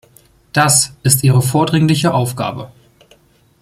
Das ist Ihre vordringliche Aufgabe.